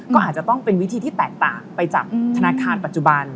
ก็อาจจะต้องเป็นวิธีที่แตกต่างไปจากธนาคารปัจจุบัน